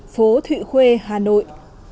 phố thụy khuê hà nội